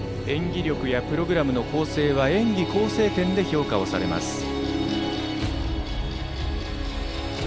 演技力やプログラムの構成は演技構成点で評価されます。